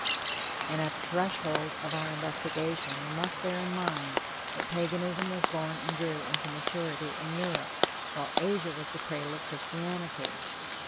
And at the threshold of our investigation we must bear in mind that Paganism was born and grew into maturity in Europe, while Asia was the cradle of Christianity.